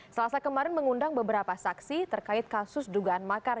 selasa kemarin mengundang beberapa saksi terkait kasus dugaan makar